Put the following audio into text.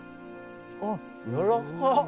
あっやわらかっ。